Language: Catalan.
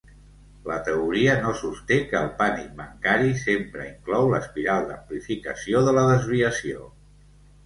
La teoria no sosté que el pànic bancari sempre inclou l'espiral d'amplificació de la desviació.